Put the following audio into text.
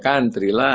ya country lah